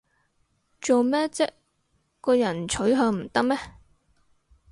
做咩唧個人取向唔得咩